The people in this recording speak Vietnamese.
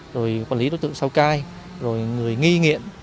rồi quản lý đối tượng sau cai rồi người nghi nghiện